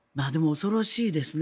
恐ろしいですね。